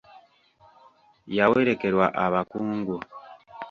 Yawerekerwa abakungu.